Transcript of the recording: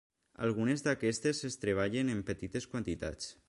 Algunes d'aquestes es treballen en petites quantitats.